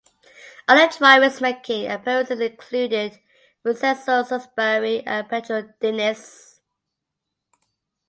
Other drivers making appearances included Vincenzo Sospiri and Pedro Diniz.